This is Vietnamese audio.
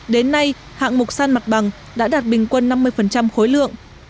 đến nay hạng mục san mặt bằng đã đạt bình quân năm mươi khối lượng